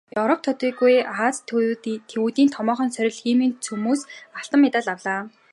Европ төдийгүй Ази тивийнхний томоохон сорил "Химийн цом"-оос алтан медаль авлаа.